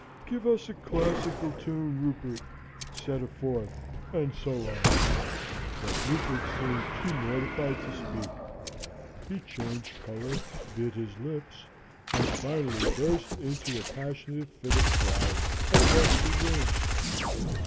'Give us a classical tune, Rupert,' said a fourth; and so on. But Rupert seemed too mortified to speak; he changed color, bit his lips, and finally burst into a passionate fit of crying, and left the room.